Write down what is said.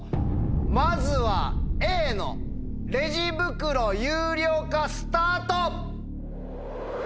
まずはＡのレジ袋有料化スタート。